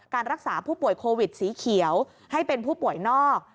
การรักษาผู้ป่วยโควิดสีเขียวให้เป็นผู้ป่วยนอก